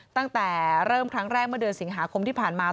ตั้งแต่เริ่มครั้งแรกเมื่อเดือนสิงหาคมที่ผ่านมา